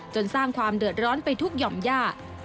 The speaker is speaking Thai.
สร้างความเดือดร้อนไปทุกหย่อมย่า